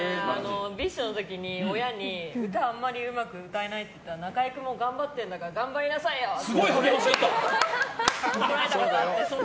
ＢｉＳＨの時に親に歌あんまりうまく歌えないって言ったら中居君も頑張ってるんだから頑張りなさいよってすごい励まし方！